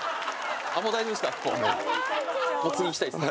もう大丈夫っすか？